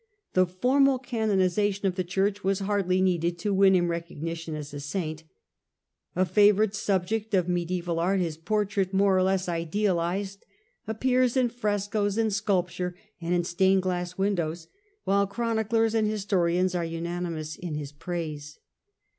The formal canoniza tion of the Church was hardly needed to win him recog nition as a saint. A favourite subject of mediaeval art, his portrait, more or less idealized, appears in frescoes, in sculpture, and in stained glass windows, while chroniclers and historians are unanimous in his praise.